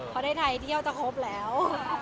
พอได้ไทยเที่ยวจะครบแล้ว